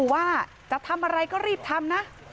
ว่าจะทำอะไรก็รีบทำนะ